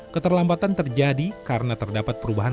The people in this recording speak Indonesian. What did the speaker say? keterlambatan terjadi karena terdapat kabel yang berbeda